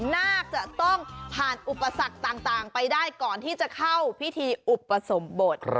น่าจะต้องผ่านอุปสรรคต่างไปได้ก่อนที่จะเข้าพิธีอุปสมบท